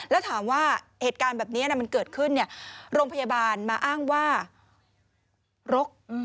แล้วถามว่าเหตุการณ์แบบนี้มันเกิดขึ้นโรงพยาบาลมาอ้างว่ารก